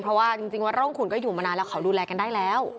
เพราะว่าจริงวัดร่องขุนก็อยู่มานานแล้วเขาดูแลกันได้แล้ว